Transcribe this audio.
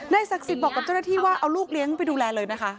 ศักดิ์สิทธิ์บอกกับเจ้าหน้าที่ว่าเอาลูกเลี้ยงไปดูแลเลยนะคะ